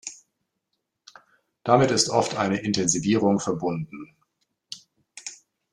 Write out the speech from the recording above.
Damit ist oft eine Intensivierung verbunden.